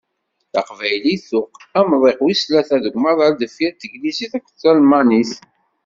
Taqbaylit, tuɣ amḍiq wis tlata deg umaḍal deffir n teglizit akked telmanit.